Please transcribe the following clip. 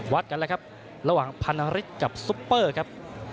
วัดกันแล้วครับระหว่างพันธฤทธิ์กับซุปเปอร์ครับ